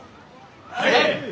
はい！